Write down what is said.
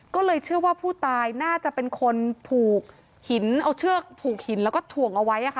ก็เลยเชื่อว่าผู้ตายน่าจะเป็นคนผูกหินเอาเชือกผูกหินแล้วก็ถ่วงเอาไว้